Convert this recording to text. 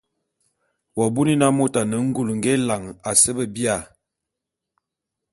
W'abuni na môt a ne ngul nge élan à se be bia?